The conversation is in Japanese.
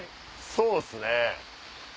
そうっすね。